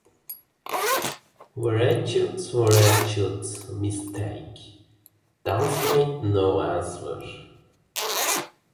Wretched, wretched mistake! Darcy made no answer.